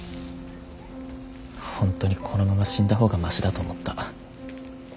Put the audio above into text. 本当にこのまま死んだ方がマシだと思った。